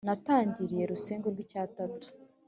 Natangiriye rusengo rw' icy' atatu !